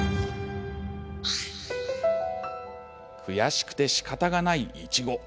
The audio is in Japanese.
悔しくてしかたがない苺。